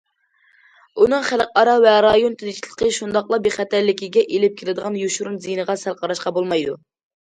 ئۇنىڭ خەلقئارا ۋە رايون تىنچلىقى، شۇنداقلا بىخەتەرلىكىگە ئېلىپ كېلىدىغان يوشۇرۇن زىيىنىغا سەل قاراشقا بولمايدۇ.